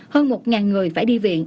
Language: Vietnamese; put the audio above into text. hơn một người phải đi viện